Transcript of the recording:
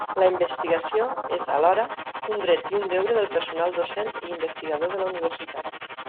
La investigació és, alhora, un dret i un deure del personal docent i investigador de la Universitat.